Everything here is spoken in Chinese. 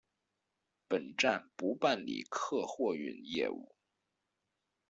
本站不办理客货运业务。